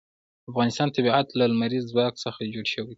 د افغانستان طبیعت له لمریز ځواک څخه جوړ شوی دی.